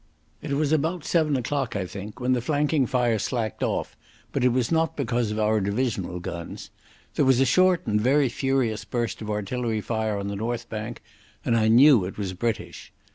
It was about seven o'clock, I think, when the flanking fire slacked off, but it was not because of our divisional guns. There was a short and very furious burst of artillery fire on the north bank, and I knew it was British.